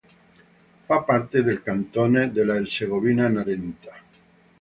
Fa parte del cantone dell'Erzegovina-Narenta.